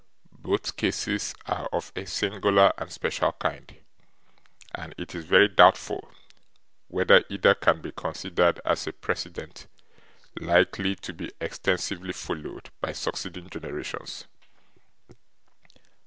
Both cases are of a singular and special kind and it is very doubtful whether either can be considered as a precedent likely to be extensively followed by succeeding generations.